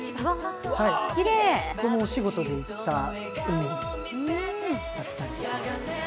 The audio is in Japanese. これもお仕事で行った海だったり。